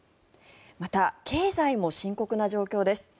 また、経済も深刻な状況です。